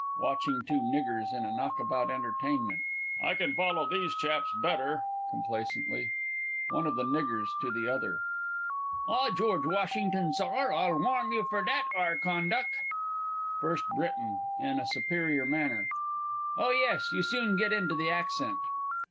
(watching two Niggers in a Knockabout Entertainment). I can follow these chaps better. [Complacently. One of the Niggers [to the other]. Ha, George Washington, Sar. I'll warm you fur dat ar conduck! FIRST B. (in a superior manner). Oh, yes; you soon get into the accent.